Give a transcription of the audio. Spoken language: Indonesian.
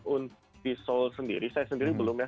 untuk di seoul sendiri saya sendiri belum ya